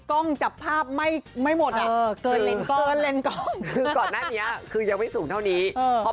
ก็ดีหมอมใยไปเลย